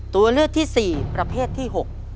ตัวเลือกที่๔ประเภทที่๖